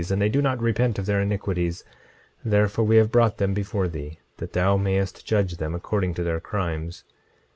And they do not repent of their iniquities; therefore we have brought them before thee, that thou mayest judge them according to their crimes.